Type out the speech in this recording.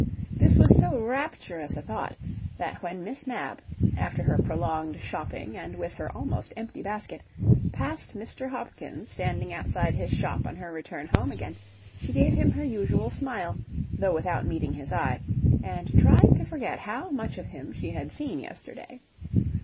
This was so rapturous a thought, that when Miss Mapp, after her prolonged shopping and with her almost empty basket, passed Mr. Hopkins standing outside his shop on her return home again, she gave him her usual smile, though without meeting his eye, and tried to forget how much of him she had seen yesterday.